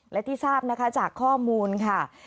และที่ทราบนะคะจากข้อมูลค่ะ